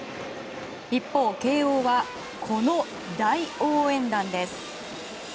一方、慶応はこの大応援団です。